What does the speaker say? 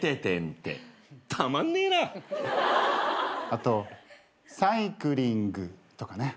あとサイクリングとかね。